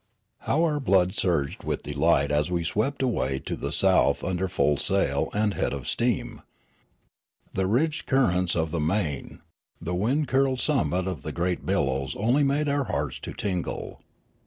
How our blood surged with delight as we swept away to the south under full sail and head of steam ! The ridged currents of the main, the wind curled sum mits of the great billows only made our hearts to tingle.